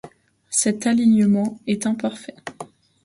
Cet alignement est imparfait.